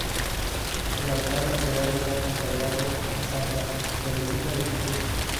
El altar lateral está consagrado a Santa Teresita de Jesús.